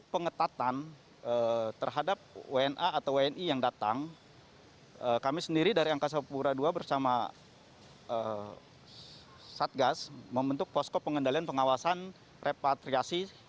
pemeriksaan berlapis dan pemeriksaan berlapis adalah perjalanan internasional di tengah pandemi covid sembilan belas